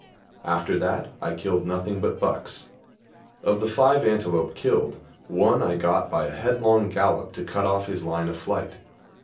After that I killed nothing but bucks. Of the five antelope killed, one I got by a headlong gallop to cut off his line of flight.